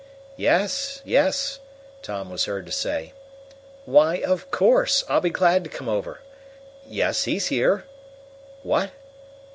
"Yes, yes," Tom was heard to say. "Why, of course, I'll be glad to come over. Yes, he's here. What?